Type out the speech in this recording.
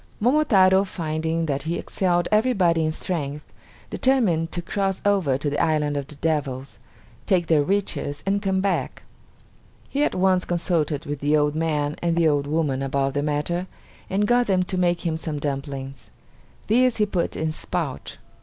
Momotaro finding that he excelled everybody in strength, determined to cross over to the island of the devils, take their riches, and come back. He at once consulted with the old man and the old woman about the matter, and got them to make him some dumplings. These he put in his pouch.